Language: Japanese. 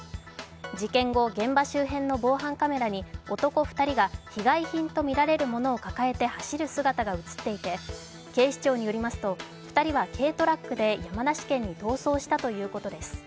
事件後、現場周辺の防犯カメラに男２人が被害品とみられるものを抱えて走る姿が映っていて警視庁によりますと２人は軽トラックで山梨県に逃走したということです。